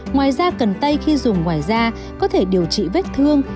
ngoài ra cần tây khi dùng ngoài da có thể điều trị vết thương